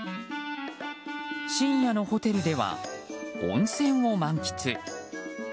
深夜のホテルでは温泉を満喫。